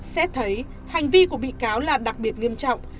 xét thấy hành vi của bị cáo là đặc biệt nghiêm trọng